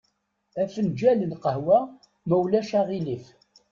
Afenǧal n lqehwa, ma ulac aɣilif.